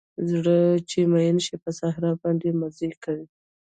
زړه چې مئین شي په صحرا باندې مزلې کوي